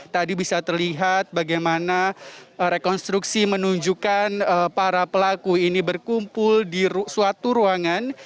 tadi bisa terlihat bagaimana rekonstruksi menunjukkan para pelaku ini berkumpul di suatu ruangan